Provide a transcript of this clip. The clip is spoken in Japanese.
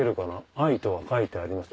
愛とは書いてありません‼」。